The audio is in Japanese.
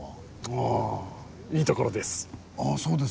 ああいいところです。